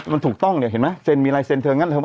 มันถูกต้องเห็นไหมเซ็นมีอะไรเซ็นเธอกัน